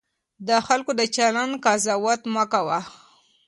د خلکو د چلند قضاوت مه کوه.